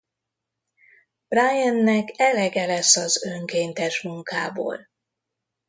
Briannek elege lesz az önkéntes munkából.